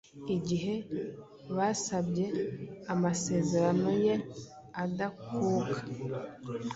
igihe basabye amasezerano ye adakuka,